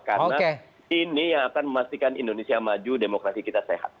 karena ini yang akan memastikan indonesia maju demokrasi kita sehat